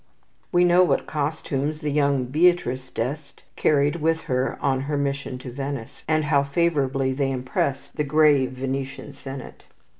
We know what costumes the young Beatrice d' Este carried with her on her mission to Venice, and how favourably they impressed the grave Venetian Senate.